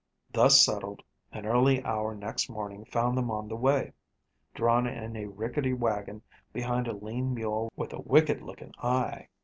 Thus settled, an early hour next morning found them on the way, drawn in a rickety wagon behind a lean mule with a wicked looking eye.